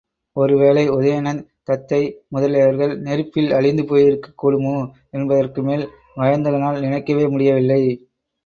ஒருவேளை உதயணன் தத்தை முதலியவர்கள் நெருப்பில் அழிந்து போயிருக்கக் கூடுமோ? என்பதற்குமேல் வயந்தகனால் நினைக்கவே முடியவில்லை.